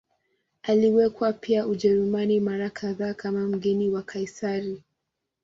Alikwenda pia Ujerumani mara kadhaa kama mgeni wa Kaisari.